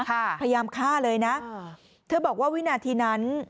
พยายามฆ่าเลยนะเธอบอกว่าวินาทีนั้น